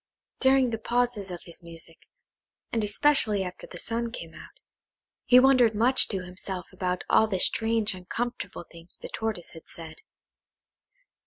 During the pauses of his music, and especially after the sun came out, he wondered much to himself about all the strange uncomfortable things the Tortoise had said.